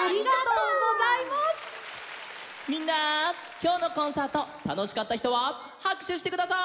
きょうのコンサートたのしかったひとははくしゅしてください！